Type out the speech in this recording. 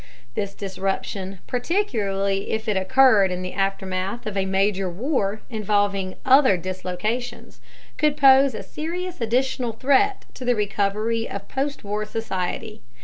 This disruption, particularly if it occurred in the aftermath of a major war involving many other dislocations, could pose a serious additional threat to the recovery of postwar society.